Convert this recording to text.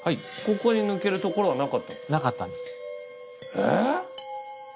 えっ！？